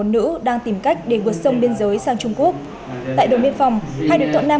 nữ đang tìm cách để vượt sông biên giới sang trung quốc tại đồn biên phòng hai đối tượng nam